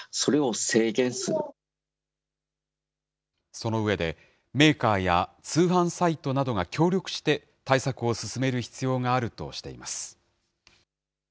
その上で、メーカーや通販サイトなどが協力して対策を進める必要があるとしています。